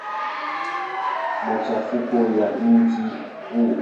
Machafuko ya mji huu.